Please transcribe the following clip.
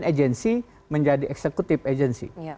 agensi menjadi eksekutif agensi